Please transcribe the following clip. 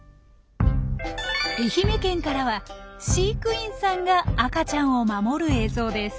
愛媛県からは飼育員さんが赤ちゃんを守る映像です。